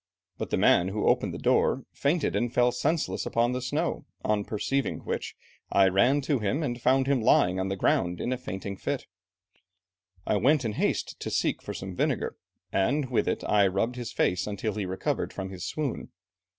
But the man who opened the door fainted, and fell senseless upon the snow, on perceiving which, I ran to him and found him lying on the ground in a fainting fit. I went in haste to seek for some vinegar, and with it I rubbed his face until he recovered from his swoon.